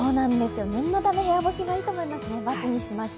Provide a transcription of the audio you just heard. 念のため部屋干しがいいと思いますね、×にしました。